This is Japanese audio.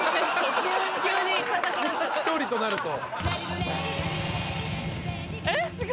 一人となると。